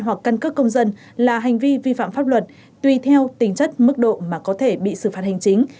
hoặc căn cước công dân là hành vi vi phạm pháp luật tùy theo tính chất mức độ mà có thể bị xử phạt hành chính